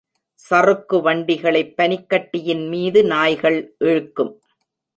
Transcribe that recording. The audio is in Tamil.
சறுக்கு வண்டிகளைப் பனிக்கட்டியின் மீது நாய்கள் இழுக்கும்.